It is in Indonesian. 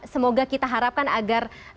semoga kita harapkan agar